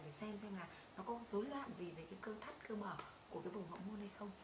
để xem xem là nó có dối loạn gì về cái cơ thắt cơ mở của cái vùng hậu môn này không